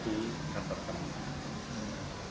artinya tidak berizin gitu pak